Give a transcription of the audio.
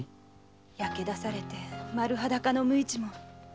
焼けだされて丸裸の無一文。